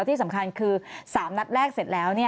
ธีระนัดใช่